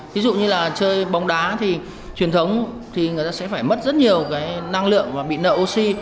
ví dụ như là chơi bóng đá thì truyền thống thì người ta sẽ phải mất rất nhiều cái năng lượng và bị nợ oxy